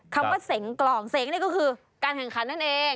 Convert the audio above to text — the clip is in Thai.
คำว่าเสงกล่องเสียงนี่ก็คือการแข่งขันนั่นเอง